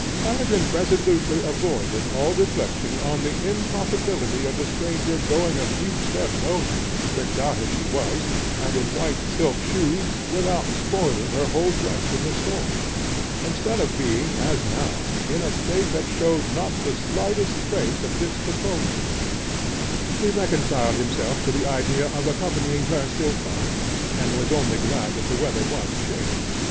Peregrine resolutely avoided all reflection on the impossibility of the stranger going a few steps only, tricked out as she was, and in white silk shoes, without spoiling her whole dress in the storm, instead of being, as now, in a state that showed not the slightest trace of discomposure; he reconciled himself to the idea of accompanying her still farther, and was only glad that the weather was changed.